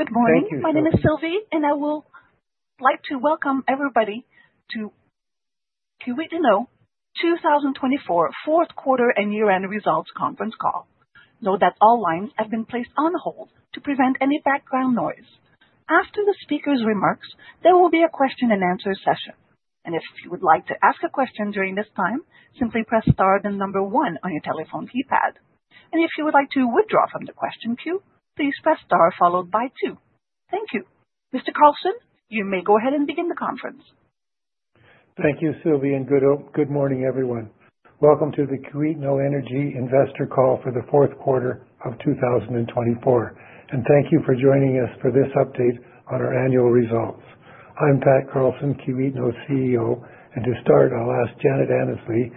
Good morning. My name is Sylvie, and I would like to welcome everybody to Kiwetinohk 2024 Fourth Quarter and Year-End Results conference call. Note that all lines have been placed on hold to prevent any background noise. After the speaker's remarks, there will be a question-and-answer session. If you would like to ask a question during this time, simply press star then number one on your telephone keypad. If you would like to withdraw from the question queue, please press star followed by two. Thank you. Mr. Carlson, you may go ahead and begin the conference. Thank you, Sylvie, and good morning, everyone. Welcome to the Kiwetinohk Energy investor call for the fourth quarter of 2024. Thank you for joining us for this update on our annual results. I'm Pat Carlson, Kiwetinohk CEO. To start, I'll ask Janet Annesley,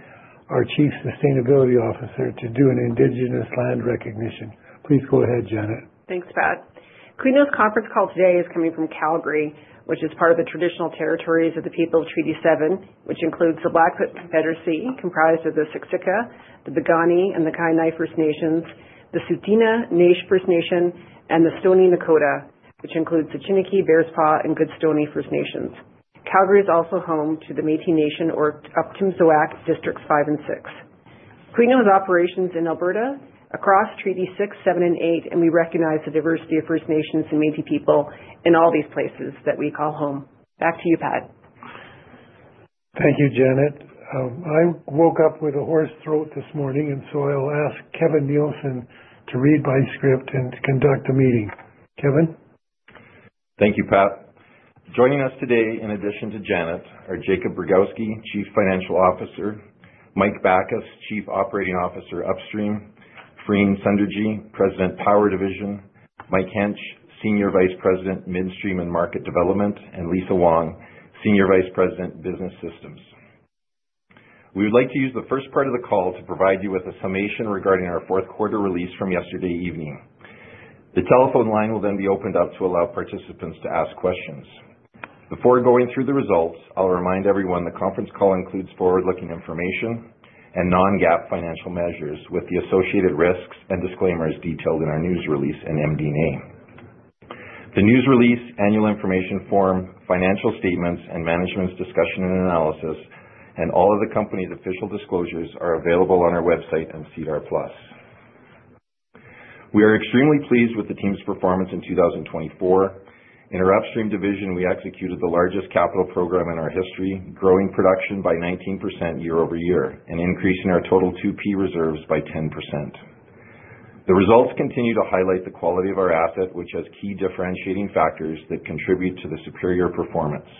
our Chief Sustainability Officer, to do an Indigenous land recognition. Please go ahead, Janet. Thanks, Pat. Kiwetinohk's conference call today is coming from Calgary, which is part of the traditional territories of the People of Treaty 7, which includes the Blackfoot Confederacy, comprised of the Siksika, the Piikani, and the Kainai First Nations, the Tsuut'ina First Nation, and the Stoney Nakoda, which includes the Chiniki, Bearspaw, and Goodstoney First Nations. Calgary is also home to the Métis Nation of Alberta, Districts 5 and 6. Kiwetinohk has operations in Alberta, across Treaty 6, 7, and 8, and we recognize the diversity of First Nations and Métis people in all these places that we call home. Back to you, Pat. Thank you, Janet. I woke up with a hoarse throat this morning, and so I'll ask Kevin Nielsen to read my script and conduct the meeting. Kevin. Thank you, Pat. Joining us today, in addition to Janet, are Jakub Rogowski, Chief Financial Officer; Mike Backus, Chief Operating Officer Upstream; Fareen Sunderji, President Power Division; Mike Hench, Senior Vice President, Midstream and Market Development; and Lisa Wong, Senior Vice President, Business Systems. We would like to use the first part of the call to provide you with a summation regarding our fourth quarter release from yesterday evening. The telephone line will then be opened up to allow participants to ask questions. Before going through the results, I'll remind everyone the conference call includes forward-looking information and non-GAAP financial measures with the associated risks and disclaimers detailed in our news release and MD&A. The news release, annual information form, financial statements, and management's discussion and analysis, and all of the company's official disclosures are available on our website and Cedar Plus. We are extremely pleased with the team's performance in 2024. In our Upstream division, we executed the largest capital program in our history, growing production by 19% year over year and increasing our total 2P reserves by 10%. The results continue to highlight the quality of our asset, which has key differentiating factors that contribute to the superior performance.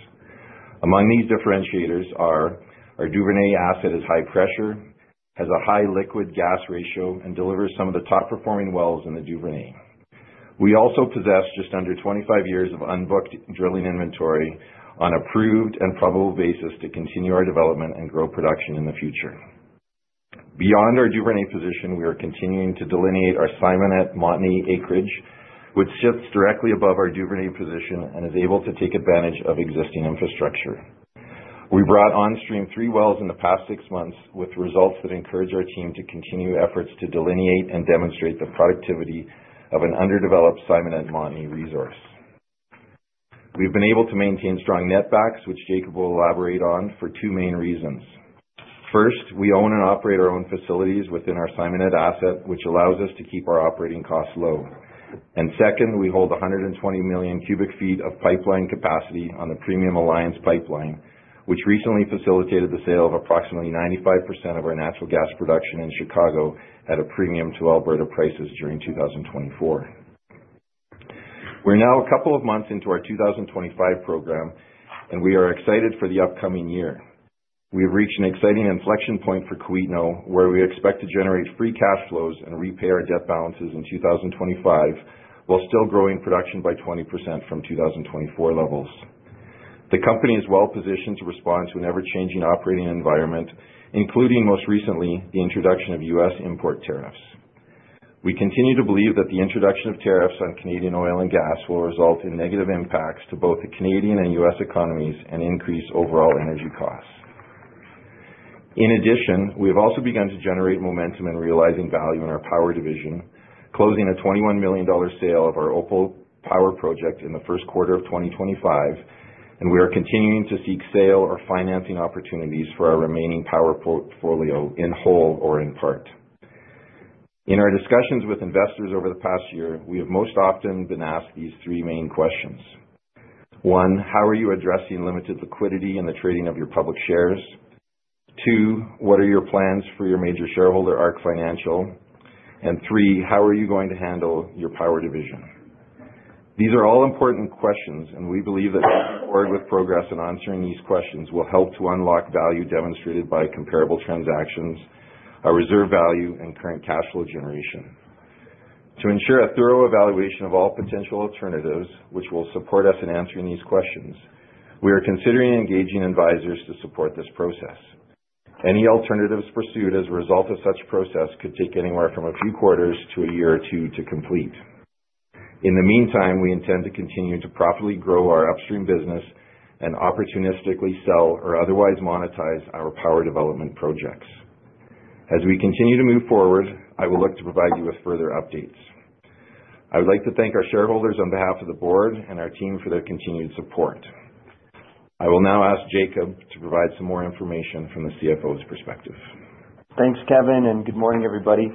Among these differentiators are our Duvernay asset is high pressure, has a high liquid-gas ratio, and delivers some of the top-performing wells in the Duvernay. We also possess just under 25 years of unbooked drilling inventory on an approved and probable basis to continue our development and grow production in the future. Beyond our Duvernay position, we are continuing to delineate our Simonette Montney acreage, which sits directly above our Duvernay position and is able to take advantage of existing infrastructure. We brought onstream three wells in the past six months, with results that encourage our team to continue efforts to delineate and demonstrate the productivity of an underdeveloped Simonette Montney resource. We have been able to maintain strong netbacks, which Jakub will elaborate on, for two main reasons. First, we own and operate our own facilities within our Simonette asset, which allows us to keep our operating costs low. Second, we hold 120 million cubic feet of pipeline capacity on the Alliance Pipeline, which recently facilitated the sale of approximately 95% of our natural gas production in Chicago at a premium to Alberta prices during 2024. We are now a couple of months into our 2025 program, and we are excited for the upcoming year. We have reached an exciting inflection point for Kiwetinohk, where we expect to generate free cash flows and repay our debt balances in 2025 while still growing production by 20% from 2024 levels. The company is well-positioned to respond to an ever-changing operating environment, including most recently the introduction of U.S. import tariffs. We continue to believe that the introduction of tariffs on Canadian oil and gas will result in negative impacts to both the Canadian and U.S. economies and increase overall energy costs. In addition, we have also begun to generate momentum in realizing value in our Power Division, closing a 21 million dollar sale of our Opal Power Project in the first quarter of 2025, and we are continuing to seek sale or financing opportunities for our remaining power portfolio in whole or in part. In our discussions with investors over the past year, we have most often been asked these three main questions. One, how are you addressing limited liquidity in the trading of your public shares? Two, what are your plans for your major shareholder, ARK Financial? Three, how are you going to handle your Power Division? These are all important questions, and we believe that moving forward with progress in answering these questions will help to unlock value demonstrated by comparable transactions, our reserve value, and current cash flow generation. To ensure a thorough evaluation of all potential alternatives, which will support us in answering these questions, we are considering engaging advisors to support this process. Any alternatives pursued as a result of such process could take anywhere from a few quarters to a year or two to complete. In the meantime, we intend to continue to properly grow our upstream business and opportunistically sell or otherwise monetize our power development projects. As we continue to move forward, I will look to provide you with further updates. I would like to thank our shareholders on behalf of the board and our team for their continued support. I will now ask Jakub to provide some more information from the CFO's perspective. Thanks, Kevin, and good morning, everybody.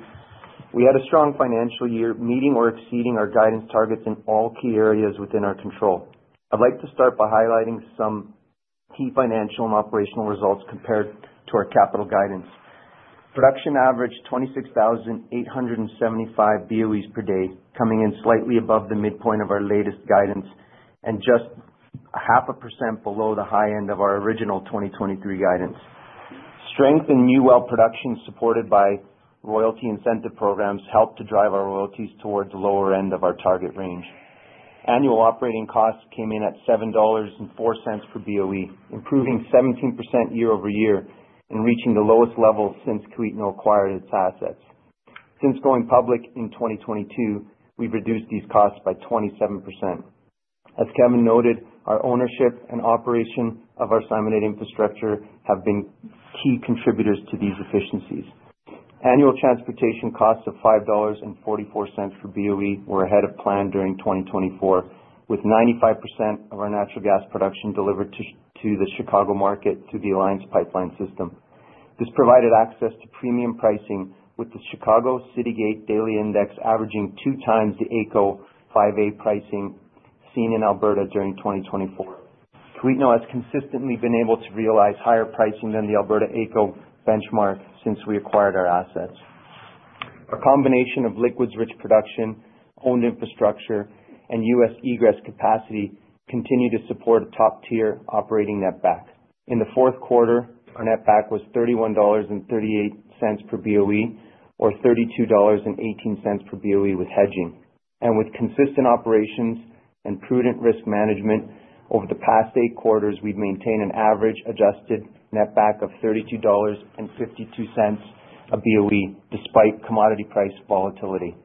We had a strong financial year, meeting or exceeding our guidance targets in all key areas within our control. I'd like to start by highlighting some key financial and operational results compared to our capital guidance. Production averaged 26,875 BOEs per day, coming in slightly above the midpoint of our latest guidance and just half a percent below the high end of our original 2023 guidance. Strength in new well production supported by royalty incentive programs helped to drive our royalties towards the lower end of our target range. Annual operating costs came in at 7.04 dollars per BOE, improving 17% year over year and reaching the lowest level since Kiwetinohk acquired its assets. Since going public in 2022, we've reduced these costs by 27%. As Kevin noted, our ownership and operation of our Simonette infrastructure have been key contributors to these efficiencies. Annual transportation costs of 5.44 dollars per BOE were ahead of plan during 2024, with 95% of our natural gas production delivered to the Chicago market through the Alliance Pipeline System. This provided access to premium pricing, with the Chicago City Gate daily index averaging two times the ACO 5A pricing seen in Alberta during 2024. Kiwetinohk has consistently been able to realize higher pricing than the Alberta ACO benchmark since we acquired our assets. Our combination of liquids-rich production, owned infrastructure, and U.S. egress capacity continue to support a top-tier operating netback. In the fourth quarter, our netback was 31.38 dollars per BOE, or 32.18 dollars per BOE with hedging. With consistent operations and prudent risk management, over the past eight quarters, we've maintained an average adjusted netback of 32.52 dollars a BOE, despite commodity price volatility.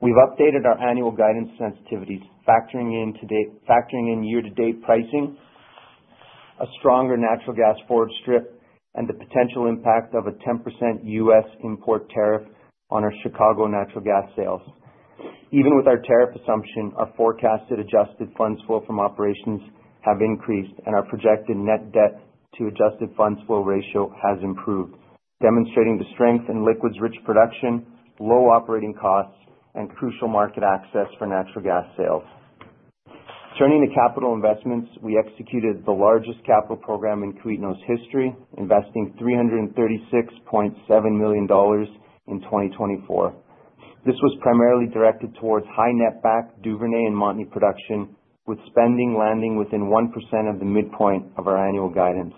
We've updated our annual guidance sensitivities, factoring in year-to-date pricing, a stronger natural gas forward strip, and the potential impact of a 10% U.S. import tariff on our Chicago natural gas sales. Even with our tariff assumption, our forecasted adjusted funds flow from operations have increased, and our projected net debt to adjusted funds flow ratio has improved, demonstrating the strength in liquids-rich production, low operating costs, and crucial market access for natural gas sales. Turning to capital investments, we executed the largest capital program in Kiwetinohk's history, investing 336.7 million dollars in 2024. This was primarily directed towards high-netback Duvernay and Montney production, with spending landing within 1% of the midpoint of our annual guidance.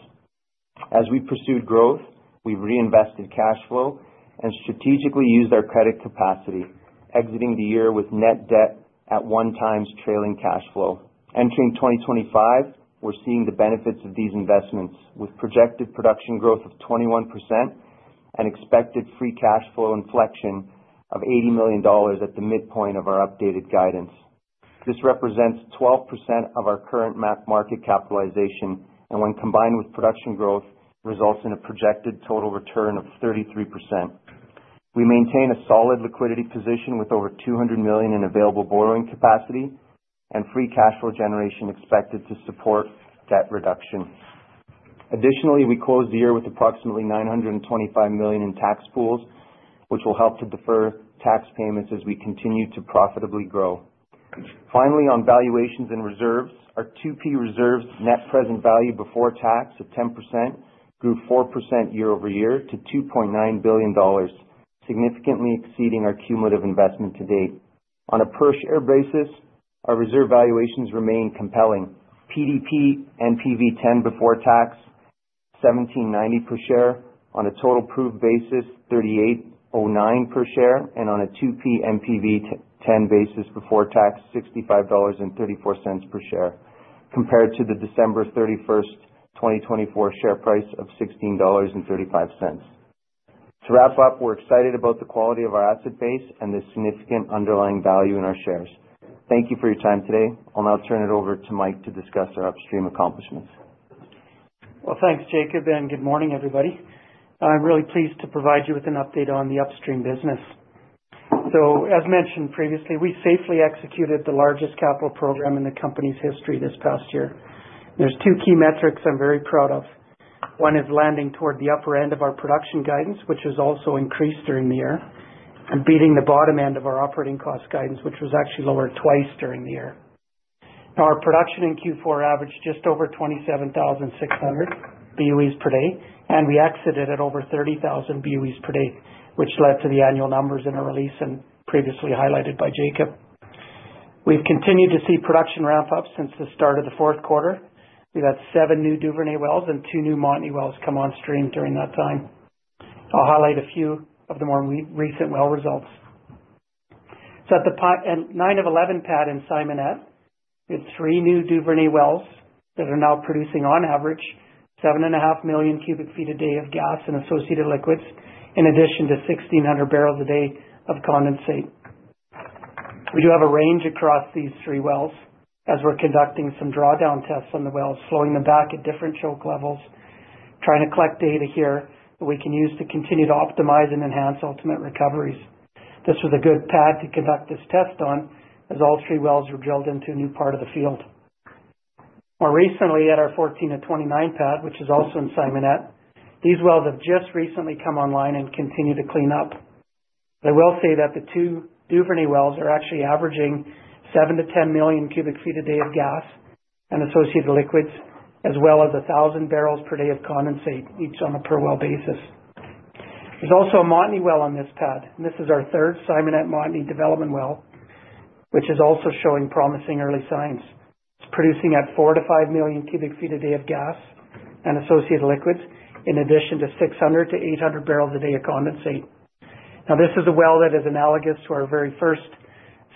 As we pursued growth, we've reinvested cash flow and strategically used our credit capacity, exiting the year with net debt at one-time trailing cash flow. Entering 2025, we're seeing the benefits of these investments, with projected production growth of 21% and expected free cash flow inflection of 80 million dollars at the midpoint of our updated guidance. This represents 12% of our current market capitalization, and when combined with production growth, results in a projected total return of 33%. We maintain a solid liquidity position with over 200 million in available borrowing capacity and free cash flow generation expected to support debt reduction. Additionally, we closed the year with approximately 925 million in tax pools, which will help to defer tax payments as we continue to profitably grow. Finally, on valuations and reserves, our 2P reserves net present value before tax of 10% grew 4% year over year to 2.9 billion dollars, significantly exceeding our cumulative investment to date. On a per-share basis, our reserve valuations remain compelling. PDP/NPV 10 before tax, $17.90 per share; on a total proof basis, $38.09 per share; and on a 2P/NPV 10 basis before tax, $65.34 per share, compared to the December 31, 2024 share price of $16.35. To wrap up, we're excited about the quality of our asset base and the significant underlying value in our shares. Thank you for your time today. I'll now turn it over to Mike to discuss our upstream accomplishments. Thanks, Jakub, and good morning, everybody. I'm really pleased to provide you with an update on the upstream business. As mentioned previously, we safely executed the largest capital program in the company's history this past year. There are two key metrics I'm very proud of. One is landing toward the upper end of our production guidance, which has also increased during the year, and beating the bottom end of our operating cost guidance, which was actually lower twice during the year. Our production in Q4 averaged just over 27,600 BOEs per day, and we exited at over 30,000 BOEs per day, which led to the annual numbers in a release previously highlighted by Jakub. We've continued to see production ramp up since the start of the fourth quarter. We've had seven new Duvernay wells and two new Montney wells come onstream during that time. I'll highlight a few of the more recent well results. At the 9 of 11 pattern, Simonette, we have three new Duvernay wells that are now producing, on average, 7.5 million cubic feet a day of gas and associated liquids, in addition to 1,600 barrels a day of condensate. We do have a range across these three wells as we're conducting some drawdown tests on the wells, slowing them back at different choke levels, trying to collect data here that we can use to continue to optimize and enhance ultimate recoveries. This was a good pad to conduct this test on, as all three wells were drilled into a new part of the field. More recently, at our 14 of 29 pad, which is also in Simonette, these wells have just recently come online and continue to clean up. I will say that the two Duvernay wells are actually averaging 7-10 million cubic feet a day of gas and associated liquids, as well as 1,000 barrels per day of condensate, each on a per well basis. There is also a Montney well on this pad, and this is our third Simonette Montney development well, which is also showing promising early signs. It is producing at 4-5 million cubic feet a day of gas and associated liquids, in addition to 600-800 barrels a day of condensate. Now, this is a well that is analogous to our very first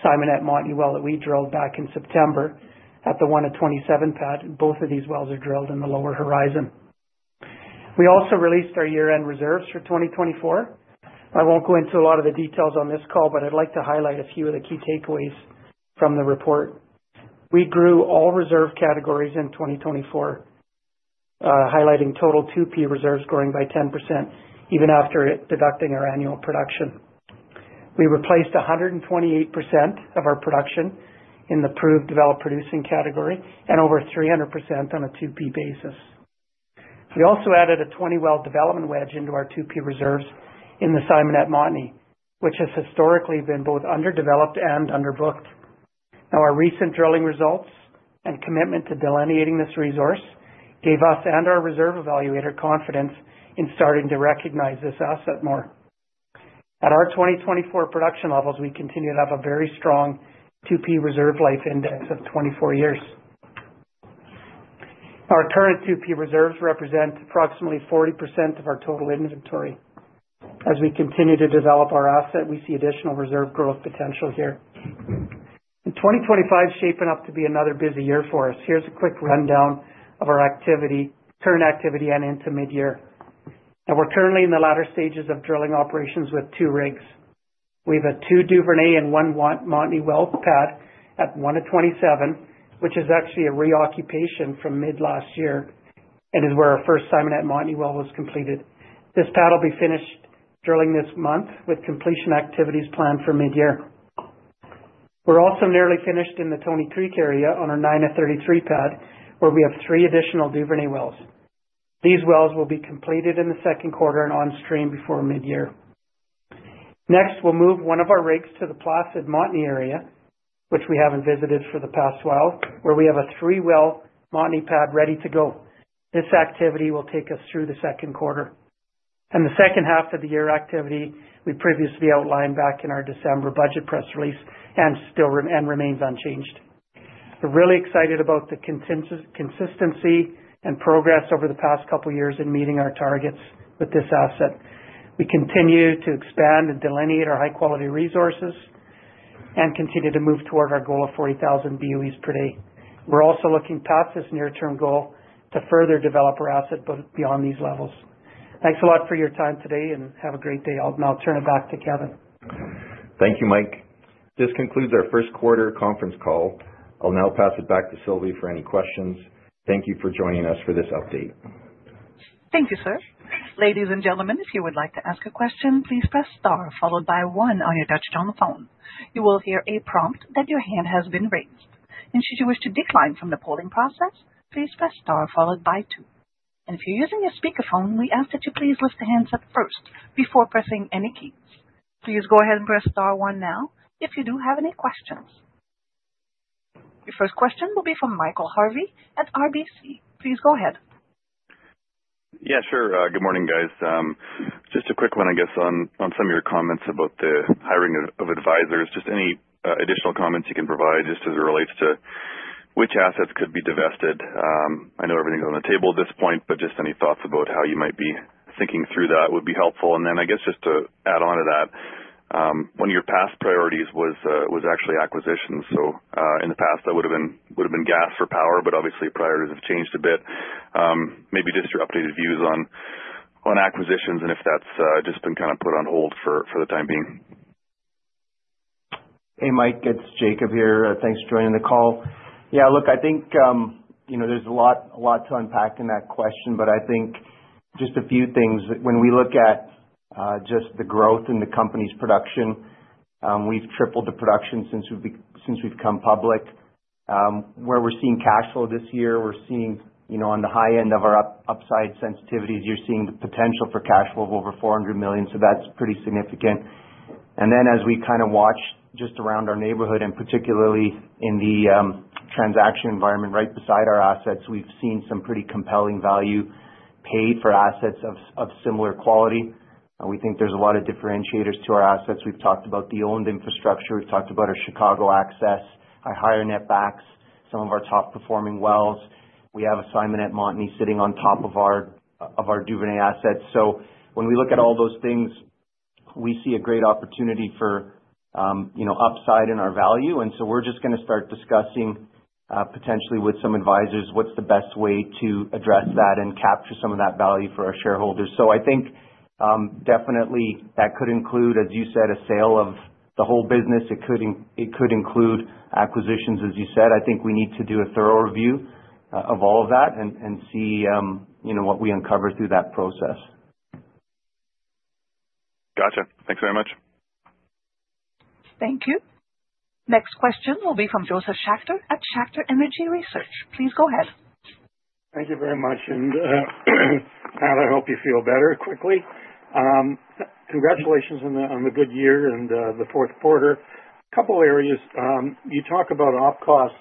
Simonette Montney well that we drilled back in September at the 1 of 27 pad. Both of these wells are drilled in the lower horizon. We also released our year-end reserves for 2024. I won't go into a lot of the details on this call, but I'd like to highlight a few of the key takeaways from the report. We grew all reserve categories in 2024, highlighting total 2P reserves growing by 10%, even after deducting our annual production. We replaced 128% of our production in the proved developed producing category and over 300% on a 2P basis. We also added a 20 well development wedge into our 2P reserves in the Simonette Montney, which has historically been both underdeveloped and underbooked. Now, our recent drilling results and commitment to delineating this resource gave us and our reserve evaluator confidence in starting to recognize this asset more. At our 2024 production levels, we continue to have a very strong 2P reserve life index of 24 years. Our current 2P reserves represent approximately 40% of our total inventory. As we continue to develop our asset, we see additional reserve growth potential here. In 2025 is shaping up to be another busy year for us. Here's a quick rundown of our activity, current activity, and into mid-year. Now, we're currently in the latter stages of drilling operations with two rigs. We have a two Duvernay and one Montney well pad at 1 of 27, which is actually a reoccupation from mid-last year and is where our first Simonette Montney well was completed. This pad will be finished drilling this month, with completion activities planned for mid-year. We're also nearly finished in the Tony Creek area on our 9 of 33 pad, where we have three additional Duvernay wells. These wells will be completed in the second quarter and onstream before mid-year. Next, we'll move one of our rigs to the Placid Montney area, which we haven't visited for the past while, where we have a three well Montney pad ready to go. This activity will take us through the second quarter. The second half of the year activity we previously outlined back in our December budget press release and remains unchanged. We're really excited about the consistency and progress over the past couple of years in meeting our targets with this asset. We continue to expand and delineate our high-quality resources and continue to move toward our goal of 40,000 BOEs per day. We're also looking past this near-term goal to further develop our asset beyond these levels. Thanks a lot for your time today, and have a great day. I'll turn it back to Kevin. Thank you, Mike. This concludes our first quarter conference call. I'll now pass it back to Sylvie for any questions. Thank you for joining us for this update. Thank you, sir. Ladies and gentlemen, if you would like to ask a question, please press star followed by one on your touch-tone phone. You will hear a prompt that your hand has been raised. Should you wish to decline from the polling process, please press star followed by two. If you're using a speakerphone, we ask that you please lift the handset first before pressing any keys. Please go ahead and press star one now if you do have any questions. Your first question will be from Michael Harvey at RBC. Please go ahead. Yeah, sure. Good morning, guys. Just a quick one, I guess, on some of your comments about the hiring of advisors. Just any additional comments you can provide just as it relates to which assets could be divested. I know everything's on the table at this point, but just any thoughts about how you might be thinking through that would be helpful. I guess, just to add on to that, one of your past priorities was actually acquisitions. In the past, that would have been gas for power, but obviously, priorities have changed a bit. Maybe just your updated views on acquisitions and if that's just been kind of put on hold for the time being. Hey, Mike. It's Jakub here. Thanks for joining the call. Yeah, look, I think there's a lot to unpack in that question, but I think just a few things. When we look at just the growth in the company's production, we've tripled the production since we've come public. Where we're seeing cash flow this year, we're seeing on the high end of our upside sensitivities, you're seeing the potential for cash flow of over 400 million. That's pretty significant. As we kind of watch just around our neighborhood, and particularly in the transaction environment right beside our assets, we've seen some pretty compelling value paid for assets of similar quality. We think there's a lot of differentiators to our assets. We've talked about the owned infrastructure. We've talked about our Chicago access, our higher netbacks, some of our top-performing wells. We have a Simonette Montney sitting on top of our Duvernay assets. When we look at all those things, we see a great opportunity for upside in our value. We are just going to start discussing potentially with some advisors what is the best way to address that and capture some of that value for our shareholders. I think definitely that could include, as you said, a sale of the whole business. It could include acquisitions, as you said. I think we need to do a thorough review of all of that and see what we uncover through that process. Gotcha. Thanks very much. Thank you. Next question will be from Joseph Schachter at Schachter Energy Research. Please go ahead. Thank you very much. I hope you feel better quickly. Congratulations on the good year and the fourth quarter. A couple of areas. You talk about op costs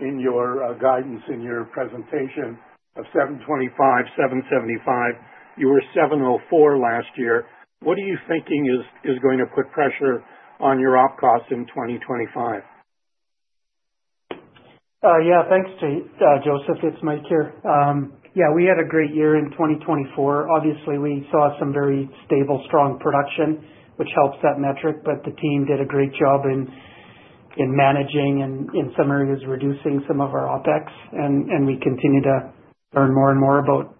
in your guidance, in your presentation of 7.25 to 7.75. You were 7.04 last year. What are you thinking is going to put pressure on your op costs in 2025? Yeah, thanks, Joseph. It's Mike here. Yeah, we had a great year in 2024. Obviously, we saw some very stable, strong production, which helps that metric, but the team did a great job in managing and, in some areas, reducing some of our OpEx, and we continue to learn more and more about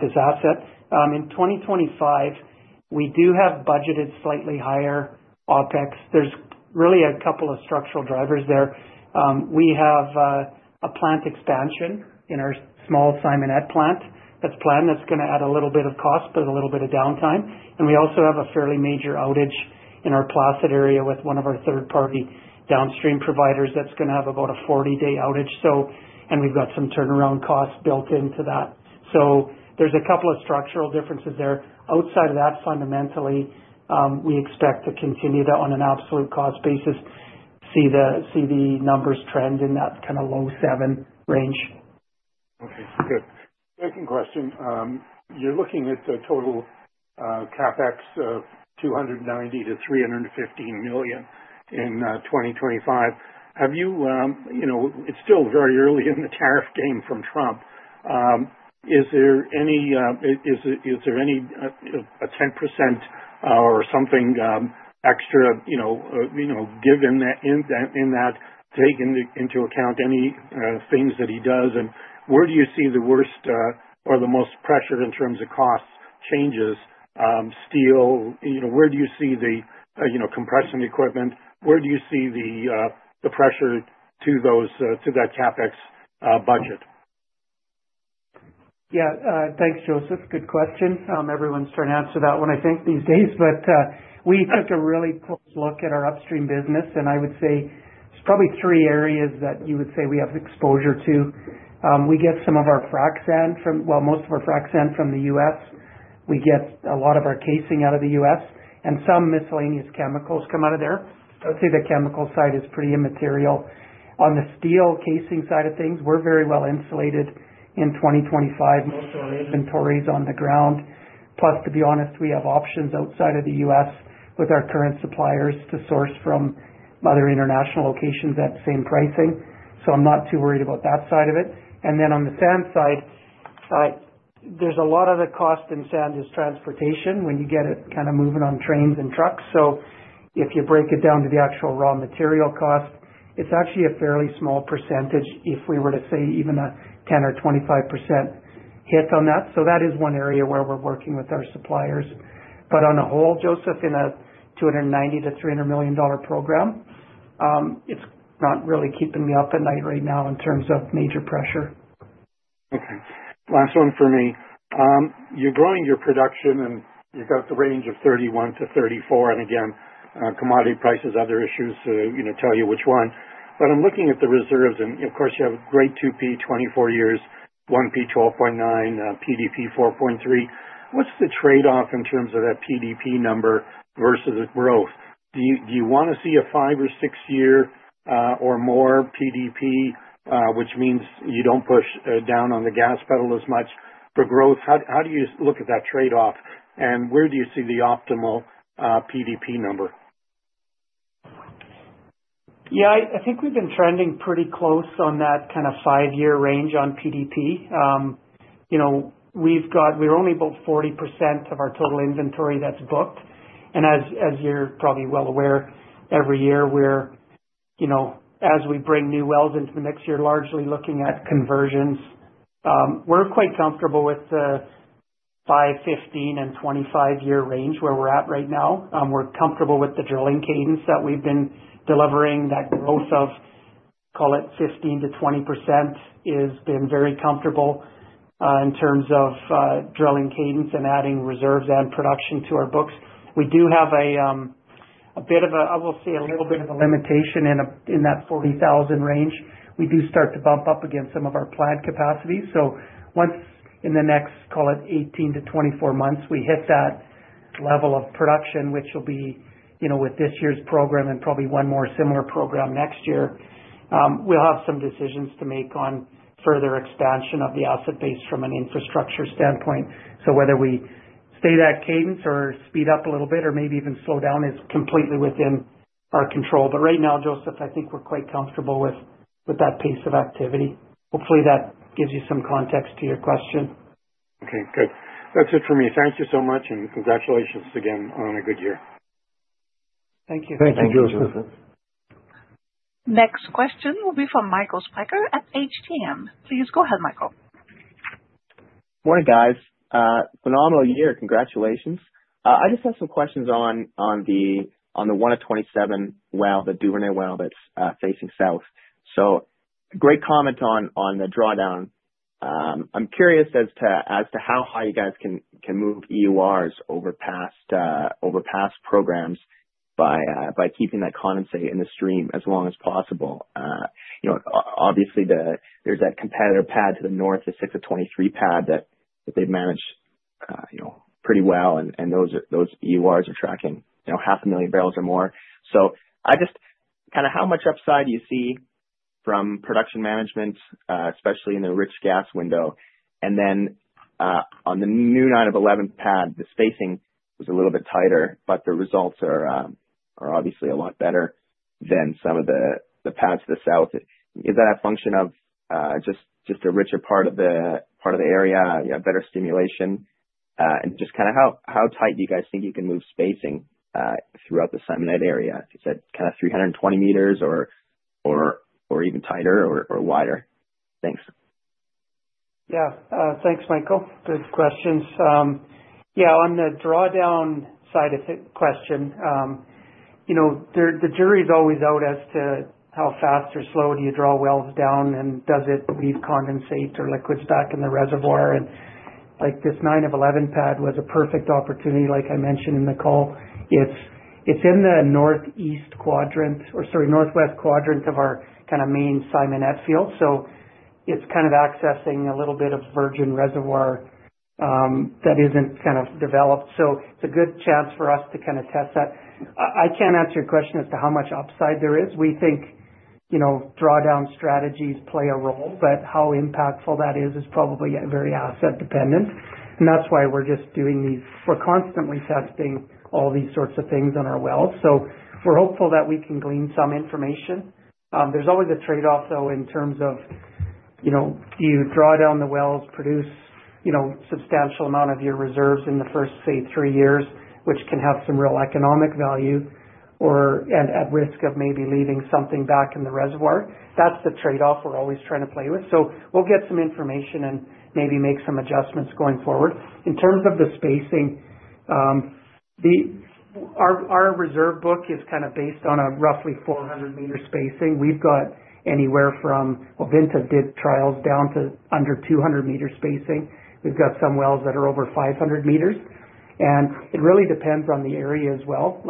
this asset. In 2025, we do have budgeted slightly higher OpEx. There's really a couple of structural drivers there. We have a plant expansion in our small Simonette plant. That's planned. That's going to add a little bit of cost, but a little bit of downtime. We also have a fairly major outage in our Placid area with one of our third-party downstream providers that's going to have about a 40-day outage, and we've got some turnaround costs built into that. There's a couple of structural differences there. Outside of that, fundamentally, we expect to continue to, on an absolute cost basis, see the numbers trend in that kind of low seven range. Okay. Good. Second question. You're looking at the total CapEx of 290 million-315 million in 2025. It's still very early in the tariff game from Trump. Is there any 10% or something extra given in that, taken into account any things that he does? Where do you see the worst or the most pressure in terms of cost changes, steel? Where do you see the compression equipment? Where do you see the pressure to that CapEx budget? Yeah. Thanks, Joseph. Good question. Everyone's trying to answer that one, I think, these days. We took a really close look at our upstream business, and I would say it's probably three areas that you would say we have exposure to. We get some of our frac sand from, well, most of our frac sand from the U.S. We get a lot of our casing out of the U.S., and some miscellaneous chemicals come out of there. I would say the chemical side is pretty immaterial. On the steel casing side of things, we're very well insulated in 2025. Most of our inventory is on the ground. Plus, to be honest, we have options outside of the U.S. with our current suppliers to source from other international locations at the same pricing. I'm not too worried about that side of it. On the sand side, there's a lot of the cost in sand is transportation when you get it kind of moving on trains and trucks. If you break it down to the actual raw material cost, it's actually a fairly small percentage if we were to say even a 10% or 25% hit on that. That is one area where we're working with our suppliers. On a whole, Joseph, in a 290 million-300 million dollar program, it's not really keeping me up at night right now in terms of major pressure. Okay. Last one for me. You're growing your production, and you've got the range of 31-34. Commodity prices, other issues to tell you which one. I'm looking at the reserves, and of course, you have great 2P, 24 years, 1P, 12.9, PDP 4.3. What's the trade-off in terms of that PDP number versus the growth? Do you want to see a five or six-year or more PDP, which means you don't push down on the gas pedal as much for growth? How do you look at that trade-off? Where do you see the optimal PDP number? Yeah, I think we've been trending pretty close on that kind of five-year range on PDP. We're only about 40% of our total inventory that's booked. And as you're probably well aware, every year, as we bring new wells into the mixer, largely looking at conversions, we're quite comfortable with the 5-year, 15-year, and 25-year range where we're at right now. We're comfortable with the drilling cadence that we've been delivering. That growth of, call it 15%-20%, has been very comfortable in terms of drilling cadence and adding reserves and production to our books. We do have a bit of a, I will say, a little bit of a limitation in that 40,000 range. We do start to bump up against some of our planned capacity. Once in the next, call it 18-24 months, we hit that level of production, which will be with this year's program and probably one more similar program next year, we'll have some decisions to make on further expansion of the asset base from an infrastructure standpoint. Whether we stay that cadence or speed up a little bit or maybe even slow down is completely within our control. Right now, Joseph, I think we're quite comfortable with that pace of activity. Hopefully, that gives you some context to your question. Okay. Good. That's it for me. Thank you so much, and congratulations again on a good year. Thank you. Thank you, Joseph. Next question will be from Michael Spiker at HTM. Please go ahead, Michael. Morning, guys. Phenomenal year. Congratulations. I just have some questions on the 1 of 27 well, the Duvernay well that's facing south. Great comment on the drawdown. I'm curious as to how high you guys can move EURs over past programs by keeping that condensate in the stream as long as possible. Obviously, there's that competitor pad to the north, the 6 of 23 pad that they've managed pretty well, and those EURs are tracking 500,000 barrels or more. How much upside do you see from production management, especially in the rich gas window? On the new 9 of 11 pad, the spacing was a little bit tighter, but the results are obviously a lot better than some of the pads to the south. Is that a function of just a richer part of the area, better stimulation? Just kind of how tight do you guys think you can move spacing throughout the Simonette area? Is that kind of 320 meters or even tighter or wider? Thanks. Yeah. Thanks, Michael. Good questions. Yeah, on the drawdown side of the question, the jury's always out as to how fast or slow do you draw wells down, and does it leave condensate or liquids back in the reservoir? And this 9 of 11 pad was a perfect opportunity, like I mentioned in the call. It's in the northeast quadrant or, sorry, northwest quadrant of our kind of main Simonette field. It's kind of accessing a little bit of virgin reservoir that isn't kind of developed. It's a good chance for us to kind of test that. I can't answer your question as to how much upside there is. We think drawdown strategies play a role, but how impactful that is is probably very asset-dependent. That's why we're just doing these; we're constantly testing all these sorts of things on our wells. We're hopeful that we can glean some information. There's always a trade-off, though, in terms of do you draw down the wells, produce a substantial amount of your reserves in the first, say, three years, which can have some real economic value, and at risk of maybe leaving something back in the reservoir? That's the trade-off we're always trying to play with. We'll get some information and maybe make some adjustments going forward. In terms of the spacing, our reserve book is kind of based on a roughly 400-meter spacing. We've got anywhere from—well, [Vinta] did trials—down to under 200-meter spacing. We've got some wells that are over 500 meters. It really depends on the area as well.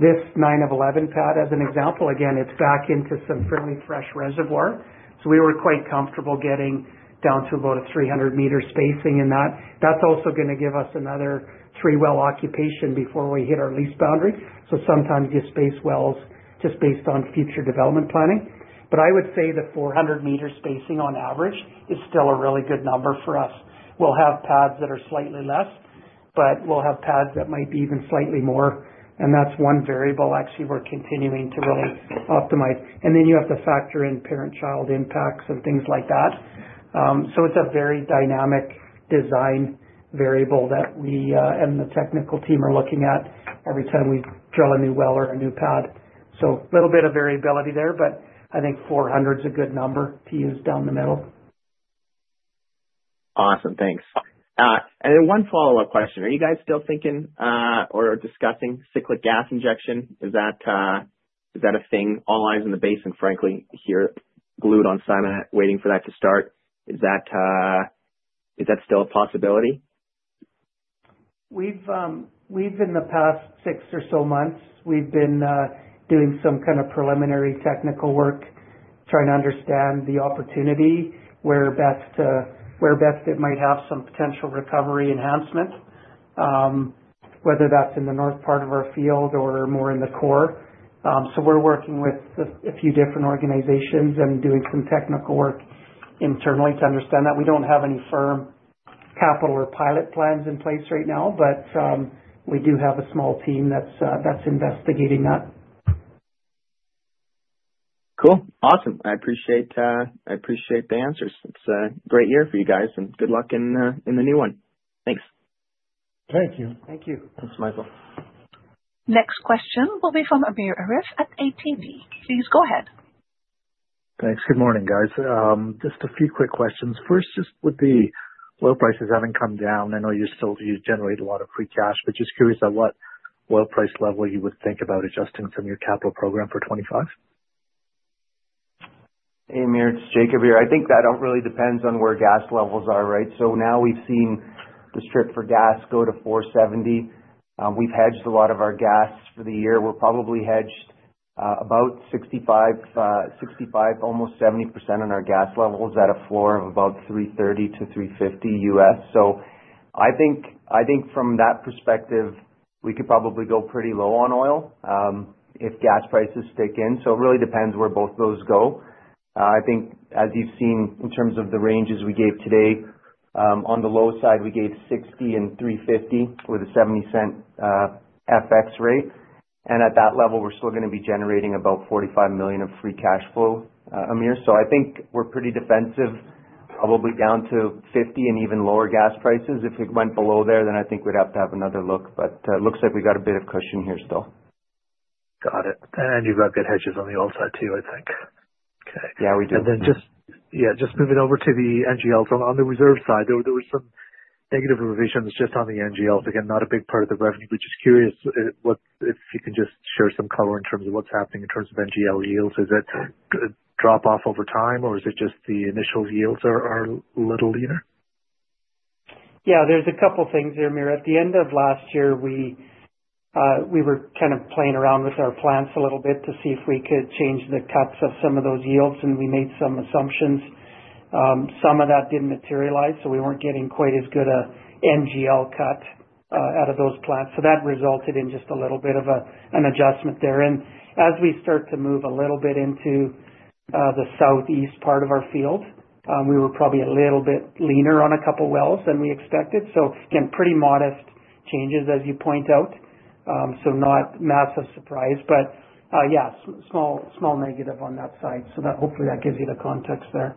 This 9 of 11 pad, as an example, again, it's back into some fairly fresh reservoir. We were quite comfortable getting down to about a 300-meter spacing in that. That is also going to give us another three-well occupation before we hit our lease boundary. Sometimes you space wells just based on future development planning. I would say the 400-meter spacing on average is still a really good number for us. We will have pads that are slightly less, but we will have pads that might be even slightly more. That is one variable, actually, we are continuing to really optimize. You have to factor in parent-child impacts and things like that. It is a very dynamic design variable that we and the technical team are looking at every time we drill a new well or a new pad. There is a little bit of variability there, but I think 400 is a good number to use down the middle. Awesome. Thanks. One follow-up question. Are you guys still thinking or discussing cyclic gas injection? Is that a thing? All eyes on the basin, frankly, here glued on Simonette, waiting for that to start. Is that still a possibility? In the past six or so months, we've been doing some kind of preliminary technical work, trying to understand the opportunity where best it might have some potential recovery enhancement, whether that's in the north part of our field or more in the core. We are working with a few different organizations and doing some technical work internally to understand that. We do not have any firm capital or pilot plans in place right now, but we do have a small team that's investigating that. Cool. Awesome. I appreciate the answers. It's a great year for you guys, and good luck in the new one. Thanks. Thank you. Thank you. Thanks, Michael. Next question will be from Amir Arif at ATV. Please go ahead. Thanks. Good morning, guys. Just a few quick questions. First, just with the oil prices having come down, I know you generate a lot of free cash, but just curious at what oil price level you would think about adjusting some of your capital program for 2025? Hey, Amir. It's Jakub here. I think that really depends on where gas levels are, right? Now we've seen the strip for gas go to $4.70. We've hedged a lot of our gas for the year. We're probably hedged about 65%, almost 70% on our gas levels at a floor of about $3.30 to $3.50 US. I think from that perspective, we could probably go pretty low on oil if gas prices stick in. It really depends where both of those go. I think, as you've seen in terms of the ranges we gave today, on the low side, we gave $60 and $3.50 with a $0.70 FX rate. At that level, we're still going to be generating about 45 million of free cash flow, Amir. I think we're pretty defensive probably down to $50 and even lower gas prices. If it went below there, then I think we'd have to have another look. It looks like we got a bit of cushion here still. Got it. You have good hedges on the oil side too, I think. Okay. Yeah, we do. Yeah, just moving over to the NGLs. On the reserve side, there were some negative revisions just on the NGLs. Again, not a big part of the revenue. Just curious if you can share some color in terms of what's happening in terms of NGL yields. Is it a drop-off over time, or is it just the initial yields are a little leaner? Yeah, there's a couple of things there, Amir. At the end of last year, we were kind of playing around with our plants a little bit to see if we could change the cuts of some of those yields, and we made some assumptions. Some of that did not materialize, so we were not getting quite as good an NGL cut out of those plants. That resulted in just a little bit of an adjustment there. As we start to move a little bit into the southeast part of our field, we were probably a little bit leaner on a couple of wells than we expected. Again, pretty modest changes, as you point out. Not a massive surprise, but yeah, small negative on that side. Hopefully, that gives you the context there.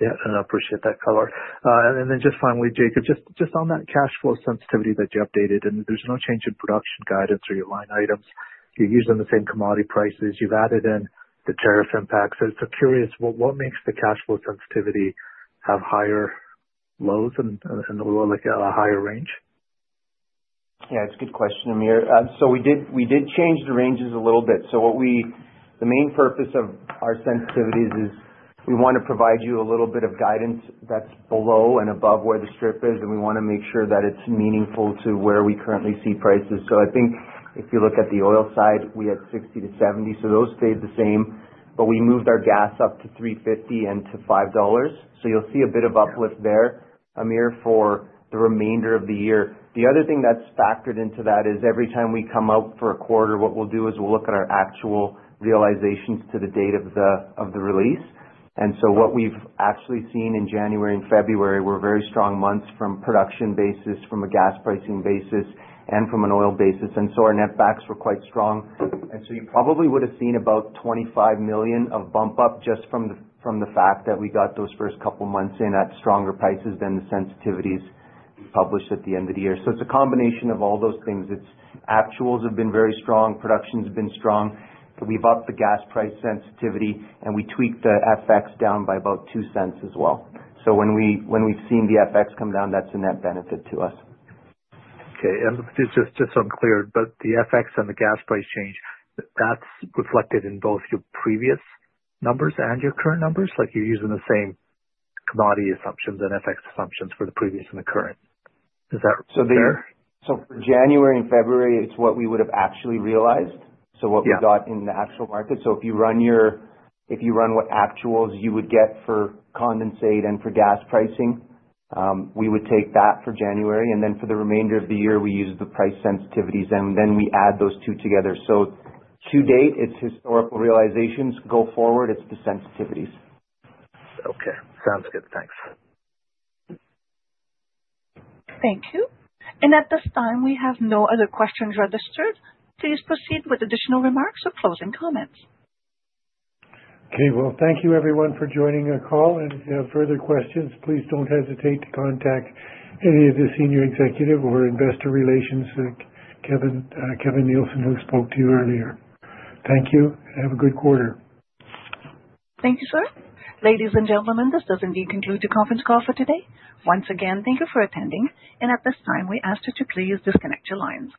Yeah. I appreciate that color. Just finally, Jakub, just on that cash flow sensitivity that you updated, and there's no change in production guidance or your line items. You're using the same commodity prices. You've added in the tariff impacts. Curious, what makes the cash flow sensitivity have higher lows and a higher range? Yeah, it's a good question, Amir. We did change the ranges a little bit. The main purpose of our sensitivities is we want to provide you a little bit of guidance that's below and above where the strip is, and we want to make sure that it's meaningful to where we currently see prices. I think if you look at the oil side, we had $60 to $70. Those stayed the same, but we moved our gas up to $3.50 and to $5. You'll see a bit of uplift there, Amir, for the remainder of the year. The other thing that's factored into that is every time we come out for a quarter, what we'll do is we'll look at our actual realizations to the date of the release. What we have actually seen in January and February were very strong months from a production basis, from a gas pricing basis, and from an oil basis. Our netbacks were quite strong. You probably would have seen about 25 million of bump-up just from the fact that we got those first couple of months in at stronger prices than the sensitivities published at the end of the year. It is a combination of all those things. Actuals have been very strong. Production has been strong. We have upped the gas price sensitivity, and we tweaked the FX down by about 0.02 as well. When we have seen the FX come down, that is a net benefit to us. Okay. Just so I'm clear, but the FX and the gas price change, that's reflected in both your previous numbers and your current numbers? You're using the same commodity assumptions and FX assumptions for the previous and the current. Is that fair? For January and February, it's what we would have actually realized, so what we got in the actual market. If you run what actuals you would get for condensate and for gas pricing, we would take that for January. For the remainder of the year, we use the price sensitivities, and then we add those two together. To date, it's historical realizations. Go forward, it's the sensitivities. Okay. Sounds good. Thanks. Thank you. At this time, we have no other questions registered. Please proceed with additional remarks or closing comments. Okay. Thank you, everyone, for joining our call. If you have further questions, please do not hesitate to contact any of the senior executive or Investor Relations, Kevin Nielsen, who spoke to you earlier. Thank you, and have a good quarter. Thank you, sir. Ladies and gentlemen, this does, indeed, conclude the conference call for today. Once again, thank you for attending. At this time, we ask that you please disconnect your lines.